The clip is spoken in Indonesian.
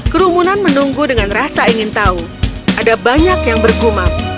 kerumunan menunggu dengan rasa ingin tahu ada banyak yang bergumam